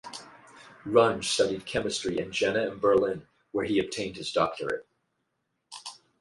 Runge studied chemistry in Jena and Berlin, where he obtained his doctorate.